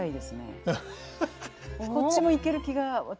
こっちもイケる気が私